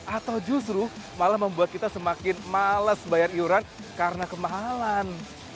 atau justru malah membuat kita semakin males bayar iuran karena kemahalan